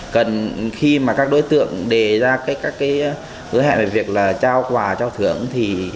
cần khi mà các đối tượng đề ra các hứa hẹn về việc trao quà trao thưởng thì